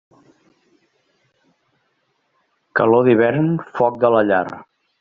Calor d'hivern, foc de la llar.